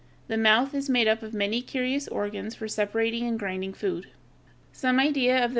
The mouth is made up of many curious organs for separating and grinding food. [Illustration: FIG.